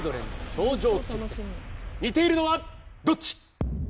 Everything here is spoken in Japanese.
頂上決戦似ているのはどっち？